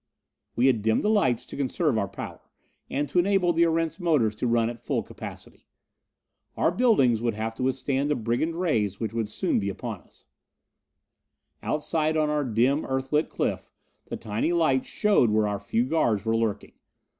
We had dimmed the lights to conserve our power, and to enable the Erentz motors to run at full capacity. Our buildings would have to withstand the brigand rays which soon would be upon us. Outside on our dim, Earthlit cliff, the tiny lights showed where our few guards were lurking.